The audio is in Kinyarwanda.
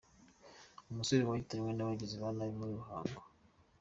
Umusore yahitanywe n’abagizi ba nabi Muri Ruhango